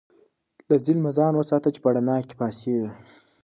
له ظلمه ځان وساته چې په رڼا کې پاڅېږې.